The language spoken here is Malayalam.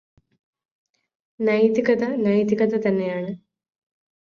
നൈതികത നൈതികത തന്നെയാണ്.